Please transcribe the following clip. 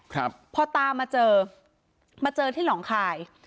ครับพอตามมาเจอมาเจอที่หนองคาย